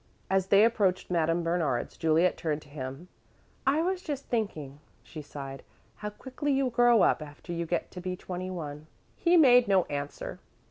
As they approached Madame Bernard's, Juliet turned to him. "I was just thinking," she sighed, "how quickly you grow up after you get to be twenty one." He made no answer.